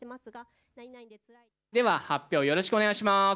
では、発表よろしくお願いします。